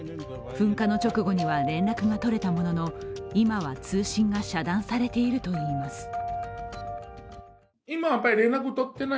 噴火の直後には連絡がとれたものの今は通信が遮断されているといいます。